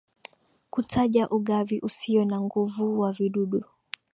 kutaja ugavi usio na nguvu wa vidudu